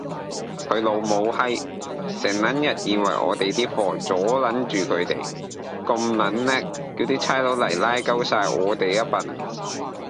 佢老母閪，成撚日以為我哋啲貨阻撚住佢地，咁撚叻，叫啲差佬嚟拉鳩哂我哋呀笨